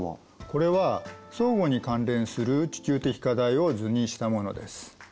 これは相互に関連する地球的課題を図にしたものです。